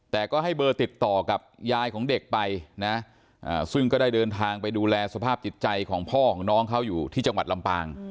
แต่ก็ให้เบอร์ติดต่อกับยายของเด็กไปนะซึ่งก็ได้เดินทางไปดูแลสภาพจิตใจของพ่อของน้องเขาอยู่ที่จังหวัดลำปาง